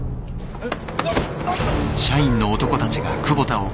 えっ？